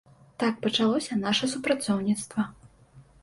Так пачалося наша супрацоўніцтва.